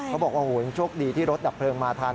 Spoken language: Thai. เขาบอกว่าโอ้โหโชคดีที่รถดับเพลิงมาทัน